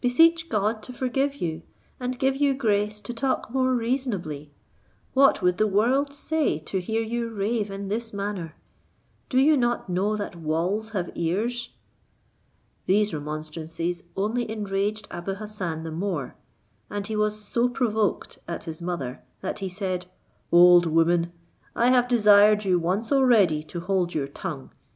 Beseech God to forgive you, and give you grace to talk more reasonably. What would the world say to hear you rave in this manner? Do you not know that 'walls have ears?'" These remonstrances only enraged Abou Hassan the more; and he was so provoked at his mother, that he said, "Old woman, I have desired you once already to hold your tongue.